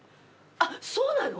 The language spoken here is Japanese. あっそうなの？